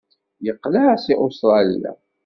Yeqleɛ seg Ustṛalya.